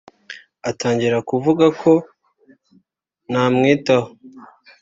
Atangira kuvuga ko ntamwitaho